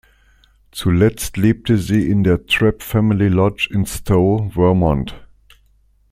Zuletzt lebte sie in der Trapp Family Lodge in Stowe, Vermont.